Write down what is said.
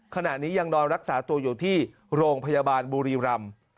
ขณะนี้ยังนอนรักษาตัวอยู่ที่โรงพยาบาลบุรีรำ